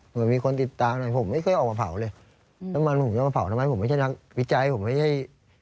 เหมือนมีคนติดตามหน่อยผมไม่เคยออกมาเผาเลยแล้วมันผมจะมาเผาทำไมผมไม่ใช่นักวิจัยผมไม่ใช่